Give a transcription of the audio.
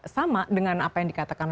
sama dengan apa yang dikatakan